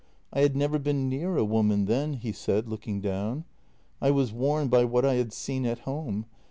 I had never been near a woman then," he said, looking down. " I was warned by what I had seen at home.